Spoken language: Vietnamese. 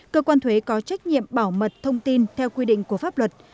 cơ quan thuế có trách nhiệm bảo mật thông tin theo quy định của pháp luật